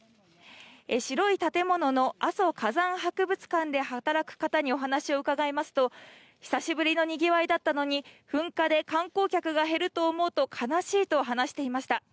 白い建物の阿蘇火山博物館で働く方にお話を伺いますと、久しぶりのにぎわいだったのに、噴火で観光客が減ると思うと悲しいと話していました。